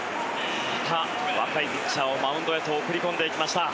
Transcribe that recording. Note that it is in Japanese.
また若いピッチャーをマウンドへと送り込んでいきました。